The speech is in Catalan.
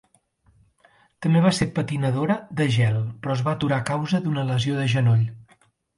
També va ser patinadora de gel, però es va aturar a causa d'una lesió de genoll.